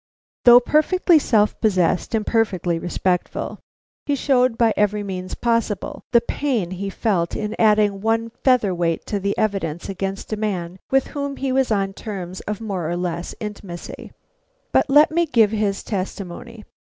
Though perfectly self possessed and perfectly respectful, he showed by every means possible the pain he felt in adding one feather weight to the evidence against a man with whom he was on terms of more or less intimacy. But let me give his testimony.